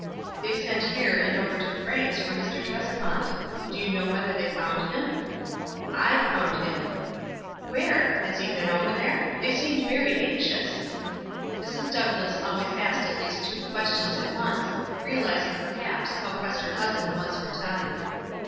"They sent here and over to Frank's for Mr. Trescvant. Do you know whether they found him?" "/found him." "Where Has he been over there? They seemed very anxious !" Mrs. Douglass always asked at least two questions at once, realizing, perhaps, how pressed her husband was for time.